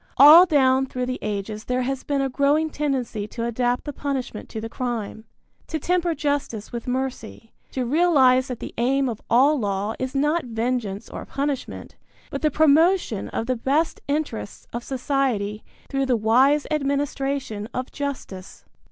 All down through the ages there has been a growing tendency to adapt the punishment to the crime, to temper justice with mercy, to realize that the aim of all law is not vengeance or punishment, but the promotion of the best interests of society through the wise administration of justice.